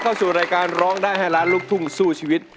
เข้าสู่รายการร้องได้ให้ล้านลูกทุ่งสู้ชีวิต